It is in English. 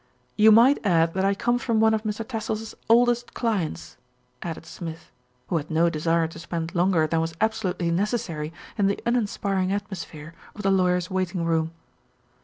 "You might add that I come from one of Mr. Tassell's oldest clients," added Smith, who had no desire to spend longer than was absolutely necessary in the uninspiring atmosphere of the lawyer's waiting room.